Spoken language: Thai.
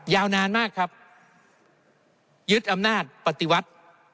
ยาวนานมากครับยึดอำนาจปฏิวัติ